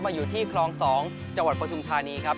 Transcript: อยู่ที่คลอง๒จังหวัดปฐุมธานีครับ